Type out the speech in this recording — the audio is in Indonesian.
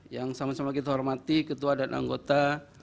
yang sama sama kita hormati ketua dan anggota